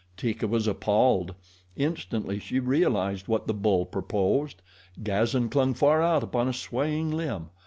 Teeka was appalled. Instantly she realized what the bull purposed. Gazan clung far out upon a swaying limb.